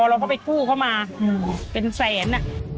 เราก็ไปกู้เข้ามาเป็นแสน